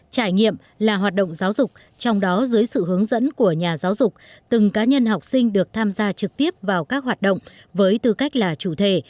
trải nghiệm là hoạt động giáo dục trong đó dưới sự hướng dẫn của nhà giáo dục từng cá nhân học sinh được tham gia trực tiếp vào các hoạt động với tư cách là chủ thể